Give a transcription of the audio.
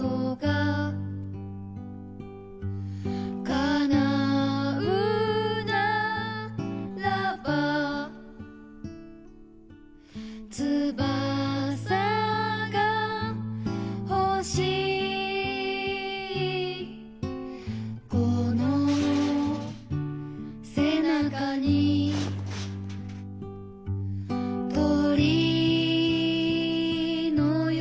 「かなうならば翼がほしい」「この背中に鳥のように」